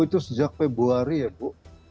itu sejak februari ya bu